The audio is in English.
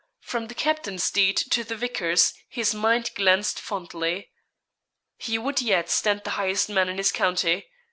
From the captain's deed to the vicar's his mind glanced fondly. He would yet stand the highest man in his county.